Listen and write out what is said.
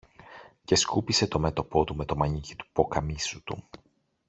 και σκούπισε το μέτωπο του με το μανίκι του ποκαμίσου του